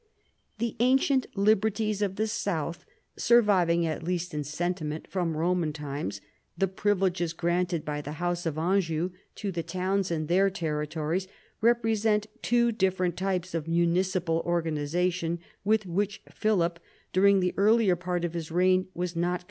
The ancient liberties of the south, surviving at least in sentiment from Eoman times the privileges granted by the house of Anjou to the towns in their territories, represent two different types of municipal organisation with which Philip during the earlier part of his reign was not